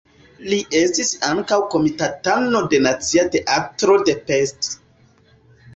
Li estis ankaŭ komitatano de Nacia Teatro de Pest.